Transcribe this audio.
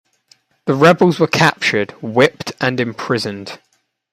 The rebels were captured, whipped, and imprisoned.